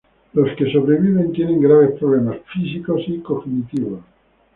Los que sobreviven tienen graves problemas físicos y cognitivos.